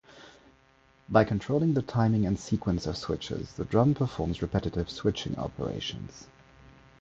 By controlling the timing and sequence of switches, the drum performs repetitive switching operations.